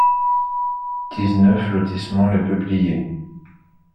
dix-neuf lotissement Les Peupliers